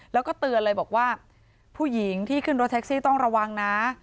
แล้วก็เตือนเลยบอกว่าผู้หญิงที่ขึ้นรถแท็กซี่ต้องระวังนะ